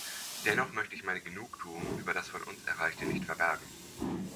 Dennoch möchte ich meine Genugtuung über das von uns Erreichte nicht verbergen.